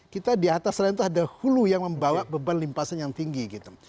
kita di atas lain itu ada hulu yang membawa beban limpasan yang tinggi gitu